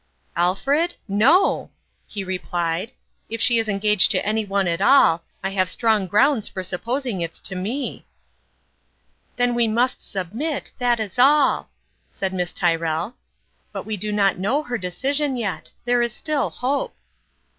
"Alfred? No !" he replied. "If she is en gaged to any one at all, I have strong grounds for supposing it's to me !"" Then we must submit, that is all," said Miss Tyrrell. " But we do not know her de cision yet ; there is still hope